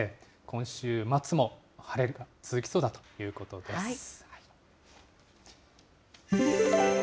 今週末も晴れが続きそうだということです。